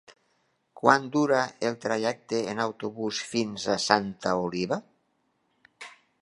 Quant dura el trajecte en autobús fins a Santa Oliva?